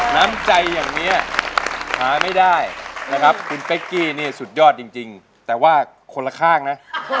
น้ำใจอย่างนี้หาไม่ได้นะครับคุณเป๊กกี้นี่สุดยอดจริงแต่ว่าคนละข้างนะ